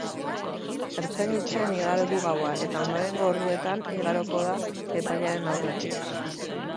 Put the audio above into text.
Ertzain-etxean igaro du gaua eta ondorengo orduetan igaroko da epailearen aurretik.